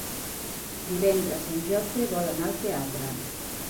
Divendres en Jofre vol anar al teatre.